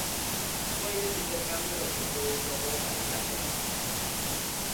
Foi neste intercambio no que entrou en xogo o calendario galego.